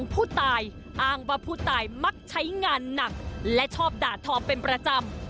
ผู้ตายอ้างว่าผู้ตายมักใช้งานหนักและชอบด่าทอเป็นประจำ